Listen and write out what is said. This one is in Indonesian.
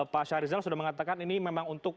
pak syarizal sudah mengatakan ini memang untuk